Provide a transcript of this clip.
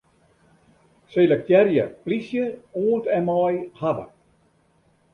Selektearje 'plysje' oant en mei 'hawwe'.